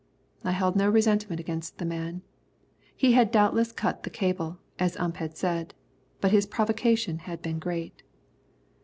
I held no resentment against the man. He had doubtless cut the cable, as Ump had said, but his provocation had been great.